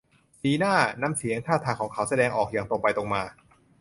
สีหน้า น้ำเสียง ท่าทางของเขาแสดงออกอย่างตรงไปตรงมา